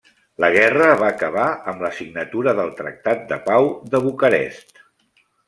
La guerra va acabar amb la signatura del tractat de pau de Bucarest.